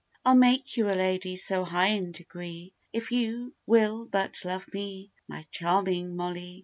I'll make you a lady so high in degree, If you will but love me, my charming Mollee!